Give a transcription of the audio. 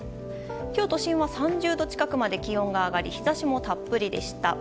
今日都心は３０度近くまで気温が上がり日差しもたっぷりでした。